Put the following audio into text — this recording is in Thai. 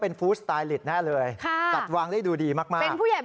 เป็นผู้ใหญ่บ้านเลยค่ะ